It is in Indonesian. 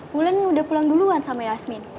bulan udah pulang duluan sama yasmin